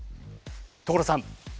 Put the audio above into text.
所さん！